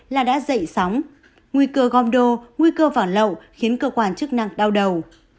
là đã dậy sóng nguy cơ gom đô nguy cơ vỏ lậu khiến cơ quan chức năng đau đầu